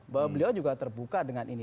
bahwa beliau juga terbuka dengan ini